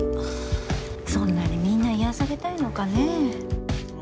そんなにみんな癒やされたいのかねえ。